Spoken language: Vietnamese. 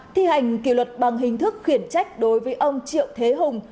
ba thi hành kỷ luật bằng hình thức khuyển trách đối với ông triệu thế hùng